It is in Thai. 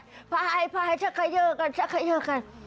ขึ้นเรือไปพายชะเขยือกันชะเขยือกัน